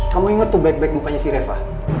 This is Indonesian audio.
kamu inget tuh baik baik muka si reva